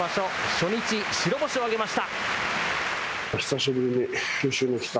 初日白星を挙げました。